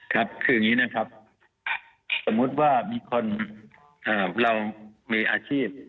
ครับคืออย่างนี้นะครับสมมุติว่ามีคนเรามีอาชีพ